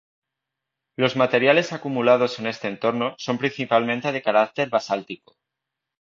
Los materiales acumulados en este entorno son principalmente de carácter basáltico.